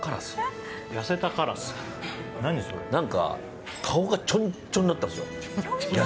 何か顔がちょんちょんだったんですよ。